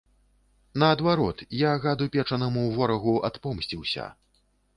Наадварот, я гаду печанаму, ворагу, адпомсціўся.